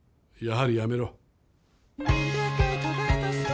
やはり辞めろ。